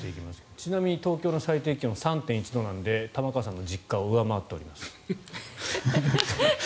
ちなみに東京の最低気温３．１度なので玉川さんの実家を上回っております。